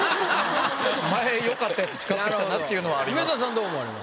前よかったやつ使ってきたなっていうのはあります。